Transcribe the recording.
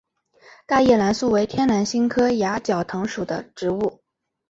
大叶南苏为天南星科崖角藤属的植物。